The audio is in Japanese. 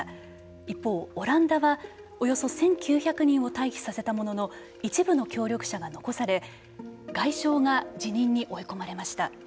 一方オランダはおよそ１９０人を退避させたものの一部の協力者が残され外相が辞任に追い込まれました。